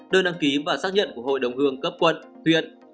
đơn đăng ký và xác nhận của hội đồng hương cấp quận huyện